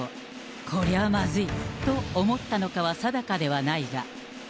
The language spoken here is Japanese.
こりゃまずい、と思ったのかは定かではないが。